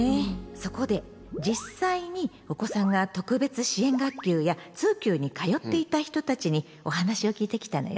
そこで実際にお子さんが特別支援学級や通級に通っていた人たちにお話を聞いてきたのよ。